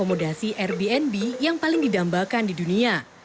ini menjadi salah satu akomodasi airbnb yang paling didambakan di dunia